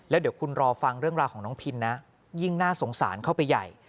แล้วเดี๋ยวคุณรอฟังเรื่องราวของน้องพินนะยิ่งน่าสงสารเข้าไปใหญ่